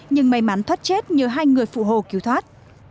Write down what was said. nhưng may mắn thoát chết nhờ hai người phụ hồ cứu thoát